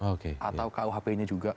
atau kuhp nya juga